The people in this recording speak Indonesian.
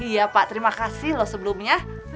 iya pak terima kasih loh sebelumnya